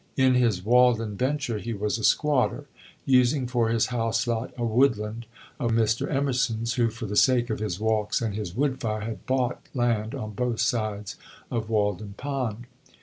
In his Walden venture he was a squatter, using for his house lot a woodland of Mr. Emerson's, who, for the sake of his walks and his wood fire, had bought land on both sides of Walden Pond.